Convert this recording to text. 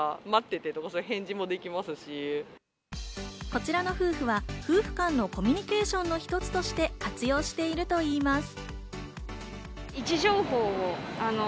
こちらの夫婦は夫婦間のコミュニケーションの一つとして活用しているといいます。